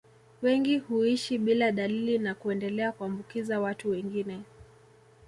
Wengi huishi bila dalili na kuendelea kuambukiza watu wengine